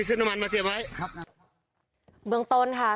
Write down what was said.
ส่วนของชีวาหาย